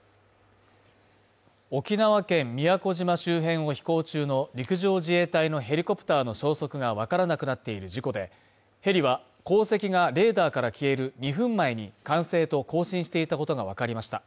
沖縄県宮古島周辺を飛行中の陸上自衛隊のヘリコプターの消息がわからなくなっている事故でヘリは、航跡がレーダーから消える２分前に管制と交信していたことがわかりました。